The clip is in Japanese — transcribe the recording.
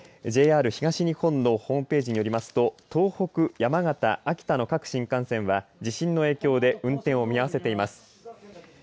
ＪＲ東日本のホームページによりますと東北、山形、秋田の各新幹線は地震の影響で運転を見合わせています。